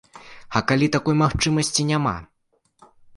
А калі такой магчымасці няма?